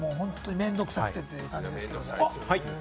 面倒くさくてという感じです。